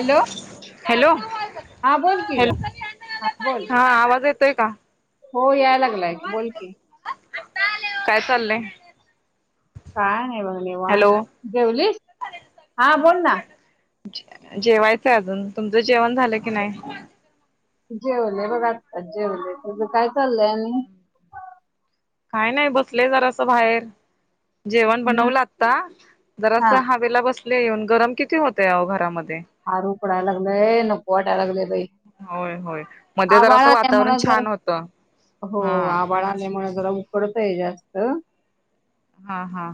Hello hello हा बोल की ग हॅलो हा बोल हा आवाज येतोय का हो याय लागलाय बोलकी काय चाललंय काय नाही बघले हॅलो वान जेवलीस हा बोल ना. जेवायचंय अजून तुमचं जेवण झालं की नाही. जेवले बघ आ जेवले काय चाललय आणि काय नाही बसलेय जरास बाहेर. जेवण हम्म बनवलं आता जरा अस हा हवेला बस ल येऊन गरम किती होत घरामध्ये हारू पडायला लागलय नको वाटायला लागले बाई होय होय मध्ये जरासं आभाळा नाही वातावरण म्हण जर छान होतं हो हा आभाळा नाही म्हण गरम थोडासा हे जास्त हा हा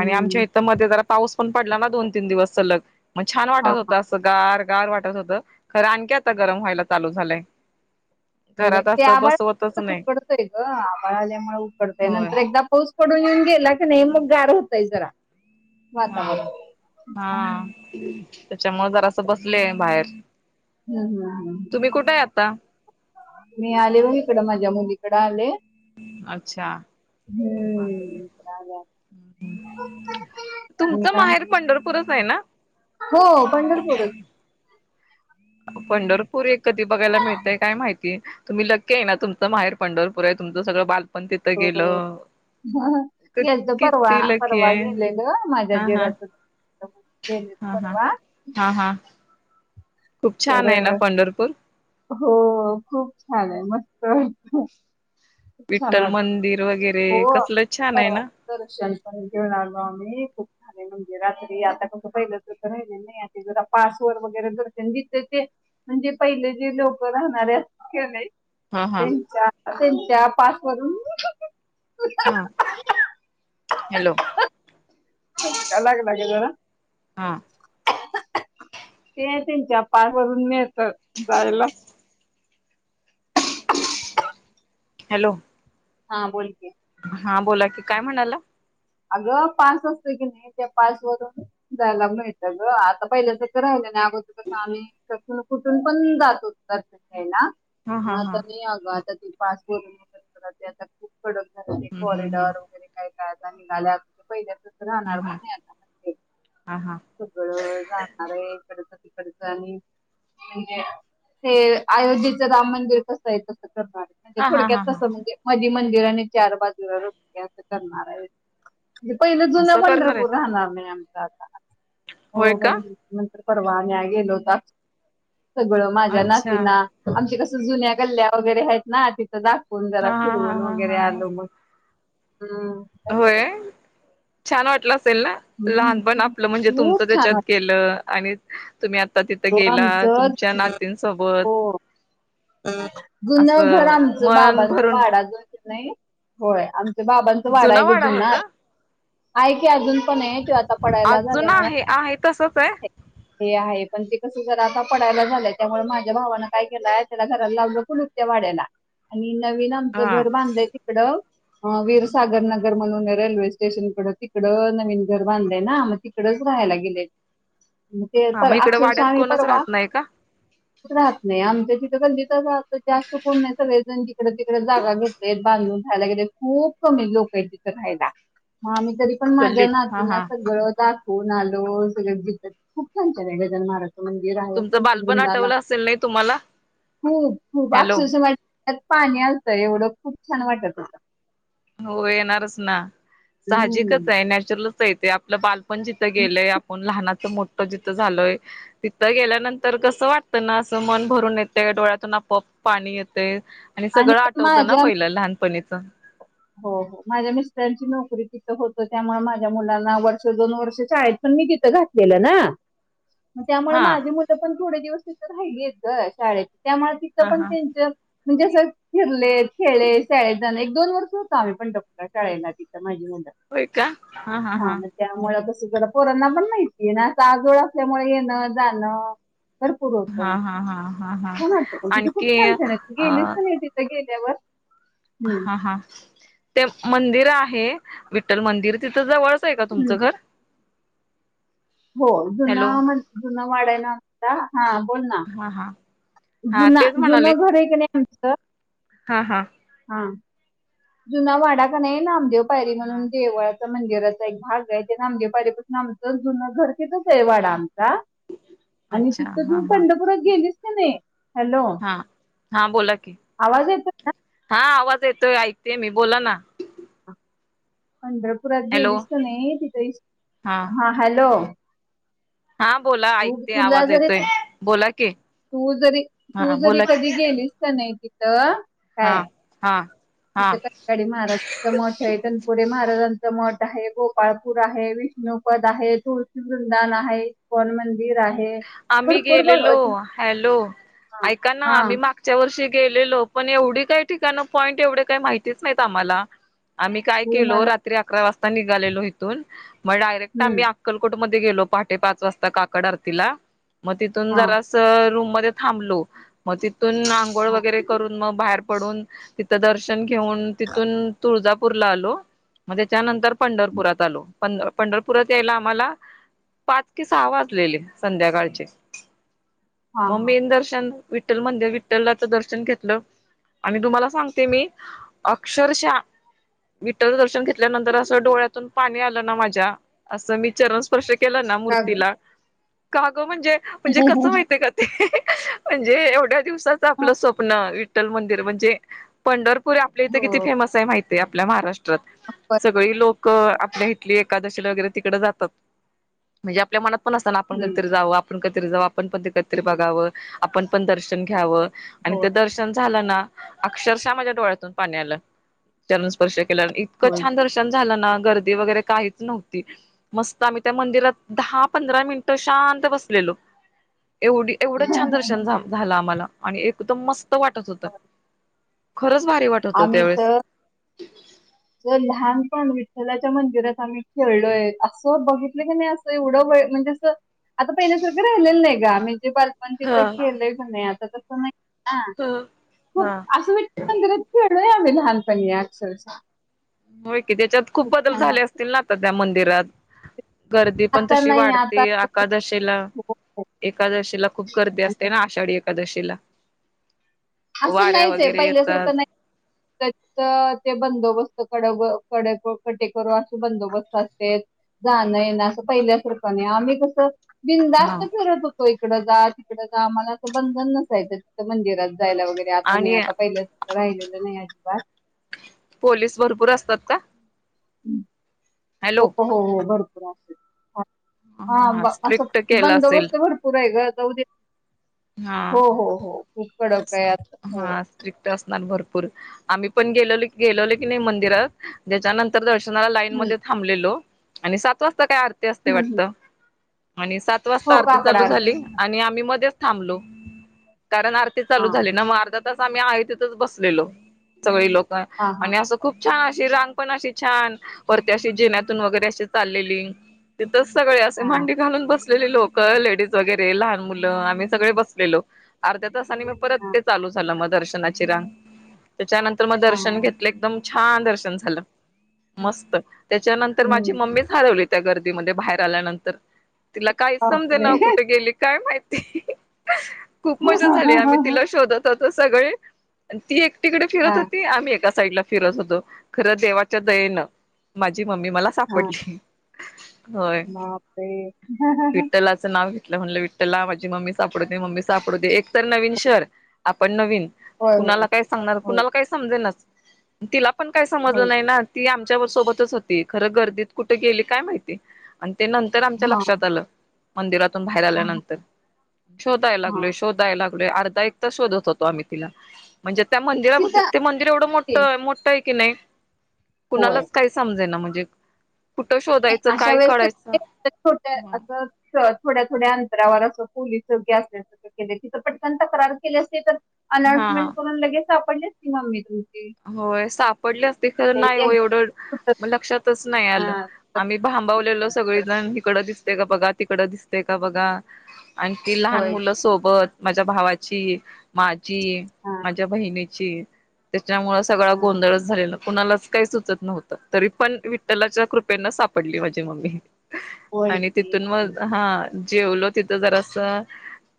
आणि आमच्या इथ मध्ये जरा पाऊस पण पडला ना दोन तीन दिवस सलग मग छान हा वाटत होत असं गार गार वाटत होत खरं आणखी आता गरम व्हायला चालू झालंय. होय बाई घरात ते असं आबाळ बसवतच नाही उकडतय ग आबाळ आल्यामुळे उकडतय होय नंतर एकदा पाऊस पडून येऊन गेला की नाही मग गार होतय जरा हा वातावरण हा हम्म त्यांच्यामुळ जरा असं बसले बाहेर. हम्म हम्म हम्म. पत्ता मी आले बग इकड माझ्या मुलीकडं आले अच्छा हम्म. मी तुमचं काय म्हणते, माहेर पंढरपूरच आहे ना हो पंढरपूरच पंढरपूर एक कधी बघायला मिळतय काय माहिती तुम्ही लक्की आहे ना तुमचं माहेर पंढरपूर आहे तुमचं सगळं बाल हो यालच परवा किती लकी परवा आहे गेलेलं माझ्या हा हा जिराच म्हण गेलेलं हा हा परवा हा हा खूप छान तर आहे ना पंढरपूर हो खूप छान आहे मस्त वा खूप छान विठ्ठल वाटत मंदिर वगैरे हो कसलं छान आहे ना परष घेऊन आलो आम्ही खूप म्हणजे रात्री आता फस पहिलं तर तर राहि नाही जरा पासवरर वगैरे दशन जिथ ते म्हणजे पहिले जे लोक राहणारे नाही हा हा थ त्या पास वरून हा हॅलो माजग हा ते त्यांच्या पायवरून मिळत जायला हॅलो हा बोलते हा बोला की काय म्हणाला अग पास असत की नाही त्या पास वरून जायला मिळत ग आता पहिल्याच का राहिलं नाही अगोर कसं आम्ही कून कुठून पण जातोत्तरच खेयला हा हा हा तर नाही आगता पासपोर्ग आ खू कडून झा हम्म हम्म हम्म कॉरिडॉर वगैरे काय हा निघाल्या पहिल्या हम्म राणार हम्म पण हा नाही आता हा सगळं जाणार आहे इकड आणि म्हणजे ते अयोध्येचं राम मंदिर कस आहे तस हा हा थोडक्या हा हा तस म्हजे मंदिरा आणि चार बाजूला रास्ते अस करणार आहे पहिलं जुन असं करणार पंढरपूर आहेत राहणार नाही आमच ह होय का हो परवाह न आ गेलोता सगळं माझ्या अच्छा नातीना आमची कस जुन्या गल्ल्या वगैरे आहेत ना दाखवून जरा हा हा हा फिरवून हा वगैरे हा हा आलो मग हम होय छान वाटलं असेल ना हम्म, लहानपण आपलं म्हणजे खूप तुमचं छान त्याच्यात गेलं. आणि. तुम्ही आता तिथं वाटतो गेला आमचं तुमच्या नातींसोबत. जुन घर असं आमचं मन बाबांचा भरून वाडा जो. नाही होय आम तो बाबांचं वाडा जुना आहे ग जुना. होता क अजून पण आहे त्यो आता पडायला आज झाल्या जुना आहे वाडा आहे तसच आहे. ते आहे. पण ते कसं जरा आता पडायला झालंय त्यामुळे माझ्या भावानं काय केलाय. त्या घराला लावल कुलूप त्या वाड्याला. नवीन आमचं हा. घर बांधलंय तिकडं. हा वीर सागर नगर म्हणून रेल्वे. स्टेशन कड तिकडं नवीन घर बांधलंय ना मग तिकडच राहायला गेलेत. ते हा तर मग इकडे अक्षरशः वाड्यात आम्ही कोणच परवा राहत नाही का राहत नाही आमच्या तिथं. आम्ही पण तिथेच राहतो जास्त कोण नाही सगळेजण जीकडे तिकडे जागा घेतले बांधून राहायला गेले खूप कमी लोक आहेत तिथं रायला. मग आम्ही तरी पण माझ्या गल्लीत हा नातीला हा. सगळं. फोन आलो सगळं ग खूप छान छान केलंय गजानन महाराज [unintelligible] तुमचं बालपण आठवलं असेल नाही तुम्हाला. खूप खूप हॅलो अक्षरशः. त्यात पाणी आलतं एवढं खूप छान वाटत होत. हो येणार रच ना. हम्म साहजिकच आहे नॅचरल कस ये ते आपलं बालपण पण जिथं गेलेय आपण लहानाचं मोठ जिथं झालोय तिथं गेल्यानंतर कसं वाटतं ना असं मन भरून येते डोळ्यातून आपोआप पाणी येतंय. आणि सगळं आठवतं ना पहिलं लहानपणीच. च हो हो माझ्या मिस्टरांची नोकरी तिथं होत त्यामुळे माझ्या मुलांना वर्ष दोन वर्ष शाळेतून मी तिथं घातलेलं ना. त्यामुळे हा माझी मुलं पण थोडे दिवस तर राहिली आहेत, ग शाळेेत. त्यामुळे तिथं हा पण हा. त्यांच म्हणजे अस फिरले खेळले शाळेत जाणे एक दोन वर्ष होत आम्ही पंढरपूर शाळेला तिथं हा त्या ड पोरांना पण माहितीय आहे ना आजोळ असल्यामुळे येणं जाणं भरपूर हा होत, हा हा हा हा खूप आणखी छान छान आहेत. अ गेलीस ना तिथं गेलीस त्या वर हा हा ते मंदिर आहे विठ्ठल मंदिर तिथं जवळच आहे का तुमचं घर हो जुना हॅलो म्हण जुनना वाढाय ना ह हां बोल ना हा हा हा जुना तेच जुन म्हणाले घर आहे कनी का हा हा. हा. जुना वाडा कनी हे नामदेव पायरी म्हणून हा देवळ मंदिराचा एक भाग आहे ते नामदेव पायरीपासून आमचं जुन घर तिथेच आहे वाडा का आणि अच्छा तिथं हा तू हा पंढरपुरात गेलीस नाही. हॅलो हा हा बोला की आवाज येतो हा आवाज येतोय ऐकते मी बोला ना. पंढरपुरात हॅलो गेलीसत नाही तिथे हा हॅलो हा बोला त ऐकते तुला आवाज जरी येतोय बोला की तू जरी तू हा जरी बोला की कधी गेलीस तर नाही.. कथ हा हा हा तिथ महाराजचा म पुढे माज ंत मठ आहे गोपाळपूर आहे विष्णूपद आहे तुळशीवृंदान आहे इस्कॉन मंदिर आहे. आम्ही भरपूर बघ गेलेलो हॅलो हा ऐका ना हा आम्ही मागच्या वर्षी. गेलेलो पण एवढी काही ठिकाण पॉईंट एवढे काही माहितीच नाहीत आम्हाला आम्ही काय तू केलो मला रात्री अकरा वाजता निघालेलो इथून मग डायरेक्ट आम्ही हम्म अक्कलकोटमध्ये गेलो पाहाे पाच वाजता काकड आरतीला मग तिथून हा जरा अस रूम ते थांबलो म ती पण आंघोळ हा वगैरे करून मग. बाहेर पडून तिथं दर्शन. घेऊन तिथून तुळजाप पूरला आलो म् त्यानंतर.. पंढरपुरात आलो. पंढर पंढरपुरात यायला आम्हाला पाच की सहा वाजलेले संध्या काळचे हा हा म्ममीन दर्शन. विठ्ठल मंदिर विठ्ठललाच दर्शन घेतलं आणि तुम्हाला सांगते मी अक्षरशः विठ्ठल दर्शन घेतल्यानंतर असं डोळ्यातून पाणी आलं ना, माझ्या असं मी. चरण स्पर्श केला ना, का ग मुर्तीला. ग म्हणजे म्हणजे कसं माहितय का ते. म्हणजे एवढं. दिवसाच आपलं स्वप्न ठ्ठल मंदिर म्हणजे पंढर पुर आपल्या इथ किती [unintelligible] हो फेमस आहे माहिती. ते आपल्या महाराष [unintelligible] प- सगळी लोक आपल्या हिताली एकादशी [unintelligible] वैगरे तीकडे जातात म्हणजे आपल्या मनात अत [unintelligible] आपण हम्म, जाऊ आप आपण [unintelligible] कतरी जाऊ आपण पण ते कतरी बघावं आपण पण दर्शन घ्याव. आणि होय ते दर्शन झालं ना, अक्षरशः माझ्या डोळ्यातून पाणी आलं चरण स्पर्श इतकं होय छान दर्शन झालं ना, गर्दी वैगरे काहीच नव्हती मस्त आम्ही त्या मंदीरात दहा पधरा मीन त शांत बसलेलो. एवढी एवढंच छान दर्शन झाल झालं आम्हाला. आणि एकदम मस त वाटत होत. खरंच भारी वाट होतं आम्ही तर त्यावेेळेस. [unintelligible] लहानपण विठ्ठलाच्या मंदिरात आम्ही खेळलोय असं बघितलं की नाही असं एवढं वेळ म्हणजे असं आता पहिण्यासारखं राहिलेलं नाही ग आम्ही. ते बालपण तिथ [unintelligible] हा ठेलंय नाही आता. होम [unintelligible] ह खूप हा असं [inaudible] लई आम्ही लहानपणी अक्षरश हो की त्याच्यात खूप बदल झाले असतील ना आता त्या मंदिर तेरात गर्दी पण आता तशी नाही वाढते आता एकादशीेला एकादशीला खूप गर्दी असते आणि ना आषाढी एकादशी [inaudible] असं नाहीच आहे, पहिल्यासारख नाही ते बंदोबस्त कड कडे कटेकरू असे बंदोबस्त असते जाणं ये ना असं पहिल्यासारखं नाही आम्ही कसं हा बिंदास्त फिरत होतो एक तिकड जा तिकडं जा आम्हाला असं बंधन नसायचं तथं मंदिरात जायला वगैरे आता नाही आणि आता पहिलं राहिलेलं नाही. वा पोलीस भरपूर असतात का? हम्म. हो हॅलो हो हो भरपूर. असते. हा ब असं स्ट्रिक्ट केलं असेल बंदोबस्त भरपूर आहे ग. जाऊदे. हा हो हो हो. खुप कडक आहे आता हो हा स्ट्रिक्ट असणार भरपूर आम्ही पण गेले गेलेले कणी नाही मंदिरात याच्यानंतर लाईन हम्म मध्ये थांबलेलो. आणि सात वाजता काय अ रती असते हम्म हम्म. वाटत? आणि सात वाजता हो आरती काकड चालू झाली आणि आम्ही मध्येच थांबलो कारण आरती हा चालू झाली ना मग अर्धा आम्ही आहे तिथच बसलेलो सगळे लोक हा हा आणि असं खूप छान अशी रांग पण अशी छान वरती अशी जिनतून वगैरे अशी चाललेली तिथच सगळे असे हा मांडी घालून बसलेली लोक, लेडीज वगैरे लहान मुलं, आम्ही सगळे बसलेलो. अर्ध्या तासाने मग परत हा झालं मग दर्शनाची रांग त्याच्यानंतर मग हा दर्शन घेतले एकदम छान दर्शन झालं मस्त त्याच्यानंतर माझी हम्म मम्मीच हरवली त्या गर्दी बाहेर आल्यानंतर तिला काही समजे बापरे ना कुठे गेली काय माहिती? ह. खूप मजा हा झाली आम्ही तिला शोधत सगळे ती एक तिकडे फिरत होती आम्हीका साईड ला फिरत होतो खर देवाच्या दयेन माझ ी मम्मी मला सापडली होय मापे लं म्हटलं विठललाझी मम्मी सापडू दे मम्मी सापडू दे एक तर नवीन शर आपण नवीन होय कुणाला होय काय सांगणार होय कुणाला काय समजेनच. तिला पण काही होय समजलं नाही ना ती सत हो खर गर्दीत कुठे गेली काय माहिती? ते नंतर आमच्या हा लक्षात आलं. मंदिरात बाहेर हा आल्यानंतर शोधाय हा लागलो शोधाय लागल पुे अर्धा एक शोधत होतो आम्ही तिला म्हणजे त्या मंदिरास तिथं ते मंदिर एवढं ते मोठं मोठं क नाही होय कुणालाच काय समजे ना म्हणजे एक अशा वेळेस ोट अस थोड्या थोड्या अंतरावर असं पोलीसोग्य असल्या के तिथं पटकनता करार केले असे तर हा अनान्समेंट हा कोण लगेल सापडले किमा मळ होय सापडली असते खरं नाही हो एक सुत्र- एवढं लक्षातच नाही आलं हा, आम्ही भांबवलेलो सुत्र- सगळेजण इकड दिसते का बघा तिकडं, दिसते का बघा. आण ती लहान होय की. मुलंसोबत माझ्या भावाची, माझी, हा, माझ्या बहिणीची त्यामुळ सगळां हा. गोंधळच झालेला कुणालाच काही सुचत नव्हतं. तरी पण विठ्ठलाच्या कृपेन सापडली माझी मम्मी. होय आणि की. तिथून म हा जेवलो तिथं जरासं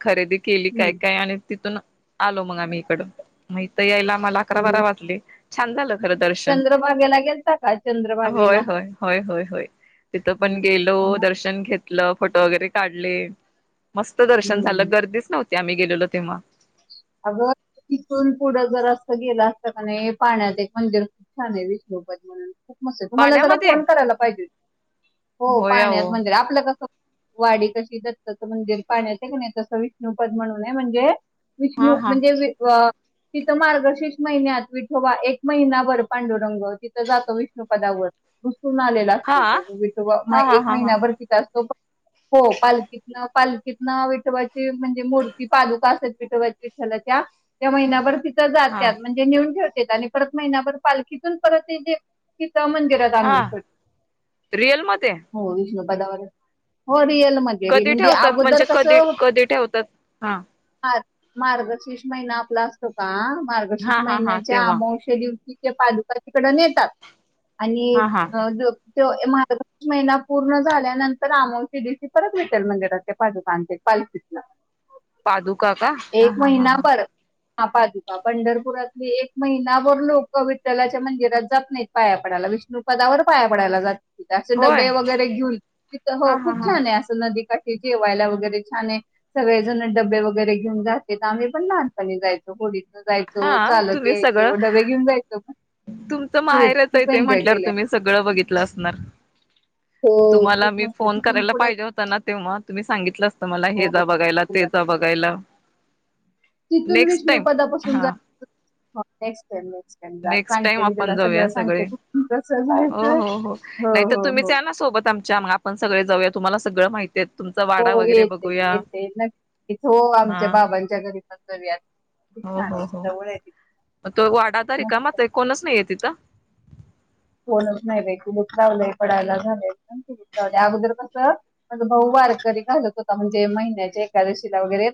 खरेदी केली हम्म. काय काय आणि तिथून आलो मग आम्ही इकडं. म इथ यायला आम्हाला अकरा बारा हम्म. वाजले. छान झालं. खर दर्शन. चंद्रभागेला गेलता का होय चंद्रभागेला होय होय होय होय, तिथ पण हम्म. गेलो दर्शन घेत लं फोटो वगैरे काढले. मस्त दर्शन झालं हम्म. गर्दीच नव्हतं ते आम्ही गेलेलो तेव्हा. अग तिथून पुढं जर अस गेलं असता कणी पाण्यात एक मंदिर खूप छान आहे विष्णूपत म्हणून. खूप मस्त हाय. तु मला जरा पाण्यामध्ये फोन करायला पाहिजे होतीस. हो होय पाण्यात अहो मंदिर आपलं कसं वाडी कशी दत्ताच मंदिर पाण्यात हाय कणी, तसं विष्णूपद म्हणून आहे म्हणजे. हा विष्णू हा म्हणजे वी अ तिथं मार्गशीर्ष महिन्यात विठोवा एक महिनाभर पांडुरंग तिथं जातो विष्णुपदावर. हून आलेला हा असतो तो विठोबा हा हा एक हा हा महिन्याभर तिथं असतो पांग हो पालखीतन. पालखीतन विठवायची म्हणजे, मूर्ती पादुका असे विठोबाच्या विठ्ठलाच्या. या महिनाभर हा जात्यात म्हणजे नेऊन ठेव आणि परत महिनाभर पालखीतून परत त्याचे इथ मंदिरात आणून हा ठेवतात. रिअल मध्ये हो विष्णू पदावर हो रिअल मध्ये रि कधी म्हणजे ठेवतात? अगोदर म्हणजे कधी कधी ठेवतात हा. हा मार्गशीर्ष महिना आपला असतो का? मार्गशीर्ष हा हा हा महिन्याच्या तेव्हा अमावश्या दिवशी इथल्या पादुका तिकडे नेतात. आणि हा हा अ ज त्यो मार्गशीर्ष महिना पूर्ण झाल्यानंतर आमोश्या दिवशी परत परत विठ्ठल मंदिरातल्या पादुका आणत्यात पालखीतन. पादुका का हा एक हा हा महिना हा बर हा पादुका पंढरपुरातली एक महिनाभर लोकं विठ्ठलाच्या मंदिरात जात नाहीत पाया पडायला. विष्णूपदावर पाया पडायला जात त. असे होय डबे वगैरे घेऊन तिथं हा हो हा खूप हा. छान आहे असं नदी का ठी जेवायला वगैरे छान आहे, सगळेजण डबे वगैरे जातेत. आम्हीपण लहानपणी जायचो. होडित जायचो, हा चालत तुम्ही यायचो. सगळं डबे घेऊन जायचो पण. तुमचं माहेरच आहे ते म्हंटल्यावर केलाय तुम्ही सगळं बघितलं असणार. हो तुम्हाला खूप मी मस्त फोन तिथून करायला पुढं पाहिजे होता ना, तेव्हा तुम्ही सांगितलं असतं मला हे हो जा बघायला, ते जा बघायला. तिथून नेक्स्ट टाइम विष्णूपदापासून हा जायचं हा नेक्स्ट टाईम नेक्स्ट टाइम जा नेक्स्ट टाईम सांगते मी आपण तुला जाऊया सगळं सगळे. सांगते कुठून कसं हो जायचं हो हो. नाहीतर हो तुम्हीच हो या ना सोबत आमच्या, म आपण सगळे जाऊयात तुम्हाला सगळं माहित हो येते की येते नक्कीच. हो आमच्या हा बाबांच्या घरी पण जाऊयात. खूप छान हाय, जवळ आहे तिथून. म तो वाडा आता रिकामाच हाय, कोणच नाहीयेत तिथं. कोणच नाय बाय, कुलूप लावलंय, पडायला झालंय. [unintelligible] अगोदर कसं भाऊ वारकरी घालत होता, म्हणजे महिन्याच्या एकादशीला वगैरे